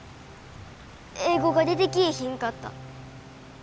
英語が出てきいひんかった。